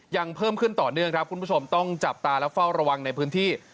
ยังเพิ่มขึ้นต่อเนื่องครับคุณผู้ชมต้องจับตาและเฝ้าระวังในพื้นที่